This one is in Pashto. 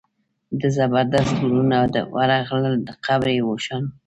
د زبردست وروڼه ورغلل قبر یې وشان.